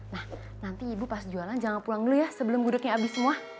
nah nanti ibu pas jualan jangan pulang dulu ya sebelum gudegnya habis semua